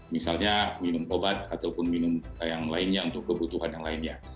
misalnya minum obat ataupun minum yang lainnya untuk kebutuhan yang lainnya